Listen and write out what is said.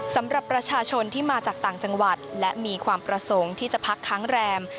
สำหรับประชาชนที่มาจากต่างจังหวัดและมีความประสงค์ที่จะพักค้างแรม